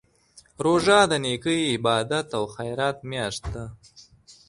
روژه د نېکۍ، عبادت او خیرات میاشت ده.